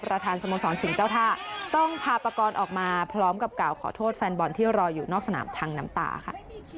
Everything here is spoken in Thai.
สโมสรสิ่งเจ้าท่าต้องพาปากรออกมาพร้อมกับกล่าวขอโทษแฟนบอลที่รออยู่นอกสนามทางน้ำตาค่ะ